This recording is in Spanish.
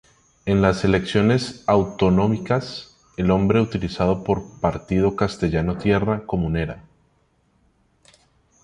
En las elecciones autonómicas, el nombre utilizado por Partido Castellano-Tierra Comunera.